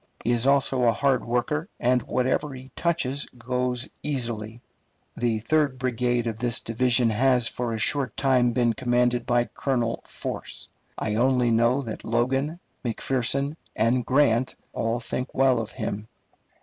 He is also a hard worker, and whatever he touches goes easily. The third brigade of this division has for a short time been commanded by Colonel Force. I only know that Logan, McPherson, and Grant all think well of him.